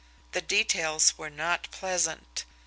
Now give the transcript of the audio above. The details were not pleasant.